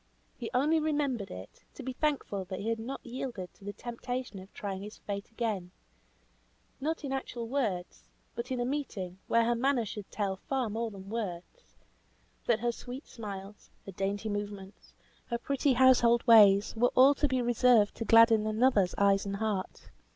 He only remembered it, to be thankful he had not yielded to the temptation of trying his fate again, not in actual words, but in a meeting, where her manner should tell far more than words, that her sweeter smiles, her dainty movements, her pretty household ways, were all to be reserved to gladden another's eyes and heart.